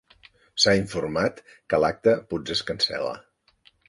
S'ha informat que l'acte potser es cancel·la.